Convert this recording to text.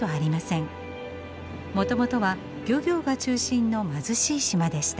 もともとは漁業が中心の貧しい島でした。